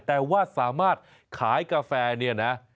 แต่ว่าสามารถขายกาแฟเนี่ยนะ